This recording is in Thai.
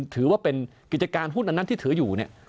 ถือว่าเป็นกิจการหุ้นอันนั้นที่ถืออยู่เนี่ย